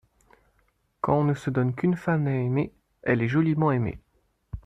Quand on ne se donne qu’une femme à aimer, elle est joliment aimée.